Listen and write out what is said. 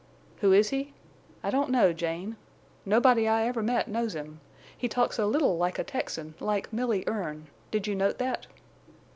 "Who is he? I don't know, Jane. Nobody I ever met knows him. He talks a little like a Texan, like Milly Erne. Did you note that?"